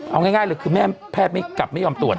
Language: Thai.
เอาง่ายเลยคือแม่แพทย์ไม่กลับไม่ยอมตรวจ